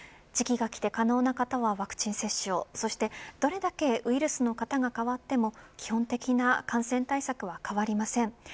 時期がきて可能な方はワクチン接種をそしてどれだけウイルスの型が変わっても基本的な感染対策は変わりません。